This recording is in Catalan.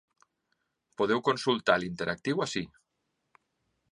Podeu consultar l’interactiu ací.